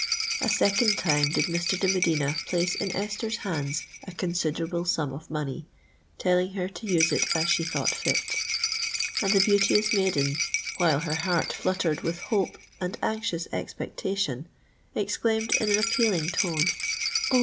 A second time did Mr. de Medina place in Esther's hands a considerable sum of money, telling her to use it as she thought fit; and the beauteous maiden, while her heart fluttered with hope and anxious expectation, exclaimed in an appealing tone, "Oh!